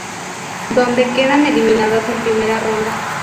Donde quedan eliminados en primera ronda.